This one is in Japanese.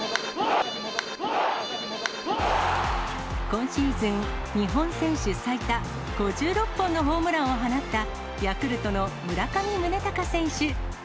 今シーズン、日本選手最多５６本のホームランを放った、ヤクルトの村上宗隆選手。